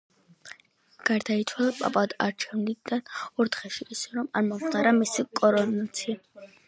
გარდაიცვალა პაპად არჩევიდან ორ დღეში, ისე რომ არ მომხდარა მისი კორონაცია.